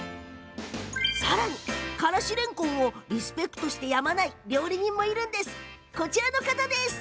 さらに、からしれんこんをリスペクトしてやまない料理人もいるんです。